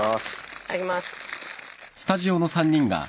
いただきます。